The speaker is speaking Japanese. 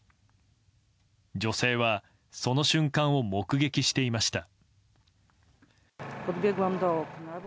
女性はその瞬間を目撃していました。